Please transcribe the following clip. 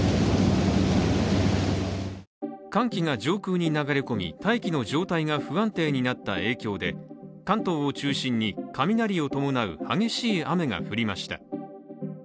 寒気が上空に流れ込み大気の状態が不安定になった影響で関東を中心に、雷を伴う激しい雨が降りました。